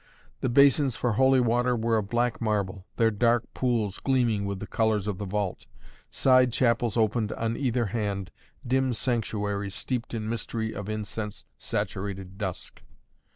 The basins for holy water were of black marble, their dark pools gleaming with the colors of the vault. Side chapels opened on either hand, dim sanctuaries steeped in mystery of incense saturated dusk.